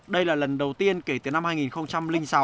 đây là lần đầu tiên kể từ năm hai nghìn sáu